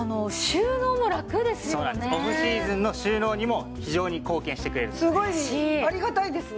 オフシーズンの収納にも非常に貢献してくれるんですね。